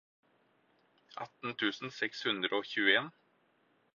atten tusen seks hundre og tjueen